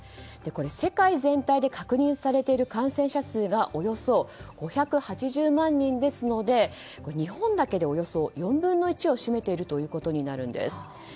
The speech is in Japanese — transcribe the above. これは世界全体で確認されている感染者数がおよそ５８０万人ですので日本だけでおよそ４分の１を占めているということになるんです。